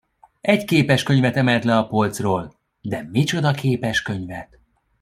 Egy képeskönyvet emelt le a polcról, de micsoda képeskönyvet!